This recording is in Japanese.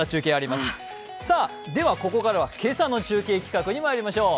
ではここからは今朝の中継企画まいりましょう。